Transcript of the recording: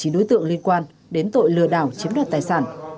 một mươi chín đối tượng liên quan đến tội lừa đảo chiếm đoạt tài sản